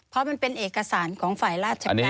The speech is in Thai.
เพราะมันเป็นเอกสารของฝ่ายราชการ